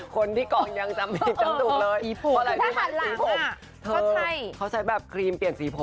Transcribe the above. คนที่กรองยังจำผิดจำถูกเลย